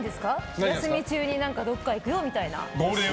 お休み中にどこかいくよみたいな。